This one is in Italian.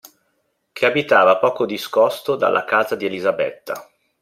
Che abitava poco discosto dalla casa di Elisabetta.